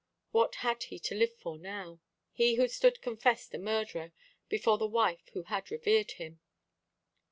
What had he to live for now he who stood confessed a murderer, before the wife who had revered him?